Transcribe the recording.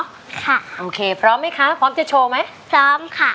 ค่ะโอเคพร้อมไหมคะพร้อมจะโชว์ไหมพร้อมค่ะ